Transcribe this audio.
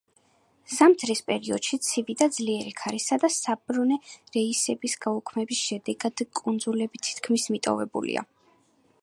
ზამთრის პერიოდში, ცივი და ძლიერი ქარისა და საბორნე რეისების გაუქმების შედეგად, კუნძულები თითქმის მიტოვებულია.